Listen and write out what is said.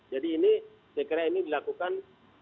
jadi ini saya kira ini dilakukan